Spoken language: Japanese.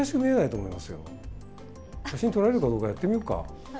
写真撮られるかどうかやってみよっか。